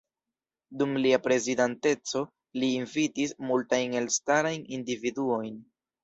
Dum lia prezidanteco li invitis multajn elstarajn individuojn.